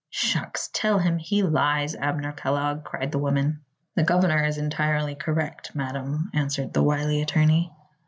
"Shucks! Tell him he lies, Abner Kellogg," cried the woman. "The governor is entirely correct, madam," answered the wily attorney.